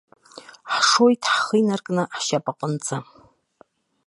Ҳшоит ҳхы инаркны ҳшьапаҟынӡа.